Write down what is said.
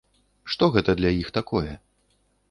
Што гэта для іх такое.